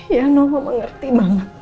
ya noah mama ngerti banget